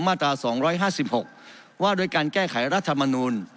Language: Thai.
มาตราสองร้อยห้าสิบหกว่าโดยการแก้ไขรัฐมนุน